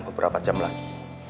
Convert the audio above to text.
beberapa jam lagi